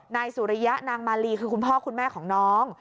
นายสุริยะนางมาลีคือคุณพ่อคุณแม่ของน้อง